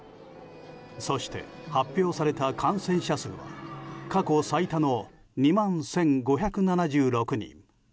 そして発表された感染者数は過去最多の過去最多の２万１５７６人。